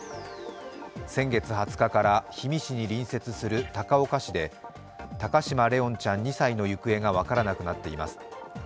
先月２０日から氷見市に隣接する高岡市で高嶋怜音ちゃん２歳の行方が分からなくなっています。